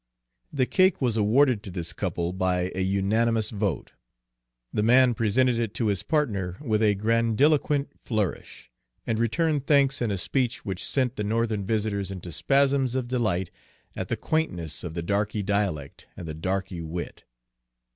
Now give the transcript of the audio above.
The cake was awarded to this couple by a unanimous vote. The man presented it to his partner with a grandiloquent flourish, and returned thanks in a speech which sent the Northern visitors into spasms of delight at the quaintness of the darky dialect and the darky wit.